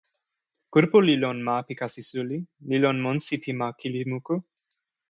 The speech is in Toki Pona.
kulupu li lon ma pi kasi suli, li lon monsi pi ma kili moku.